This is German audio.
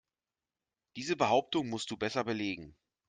Diese Behauptung musst du besser belegen.